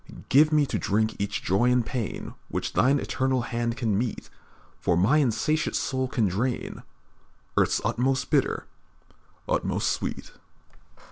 "Give me to drink each joy and pain Which Thine eternal hand can mete, For my insatiate soul can drain Earth's utmost bitter, utmost sweet.